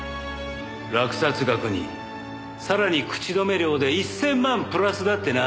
落札額にさらに口止め料で１０００万プラスだってな。